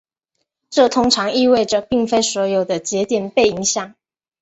这通常意味着并非所有的节点被影响。